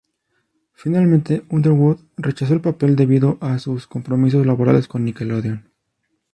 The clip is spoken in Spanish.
Finalmente, Underwood rechazó el papel debido a sus compromisos laborales con Nickelodeon.